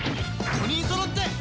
５人そろって。